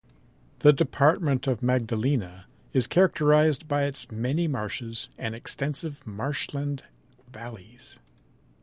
The department of Magdalena is characterized by its many marshes and extensive marshland valleys.